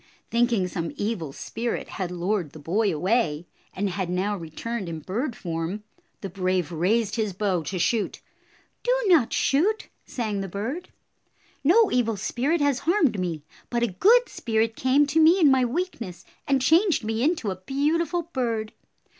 Thinking some evil spirit had lured the boy away, and had now returned in bird form, the brave raised his bow to shoot. "Do not shoot," sang the bird. "No evil 58 spirit has harmed me, but a good spirit came to me in my weakness and changed me into a beautiful bird.